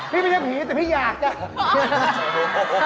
ไม่ใช่ผีแต่พี่อยากจะ